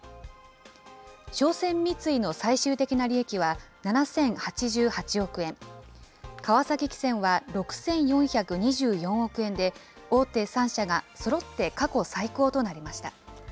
商船三井の最終的な利益は７０８８億円、川崎汽船は６４２４億円で、大手３社がそろって過去最高となりま